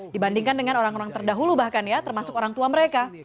dibandingkan dengan orang orang terdahulu bahkan ya termasuk orang tua mereka